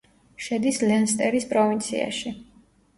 შედის ლენსტერის პროვინციაში.